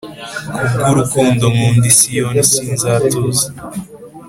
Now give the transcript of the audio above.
Ku bw urukundo nkunda i Siyoni sinzatuza